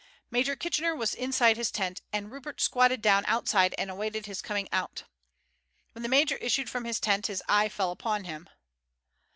Major Kitchener was inside his tent, and Rupert squatted down outside and awaited his coming out. When the major issued from his tent his eye fell upon him.